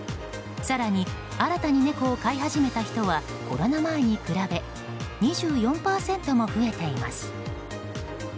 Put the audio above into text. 更に、新たに猫を飼い始めた人はコロナ前に比べ２４％も増えています。